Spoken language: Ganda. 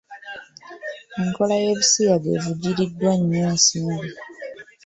Enkola y’ebisiyaga evvujjiriddwa nnyo ensimbi.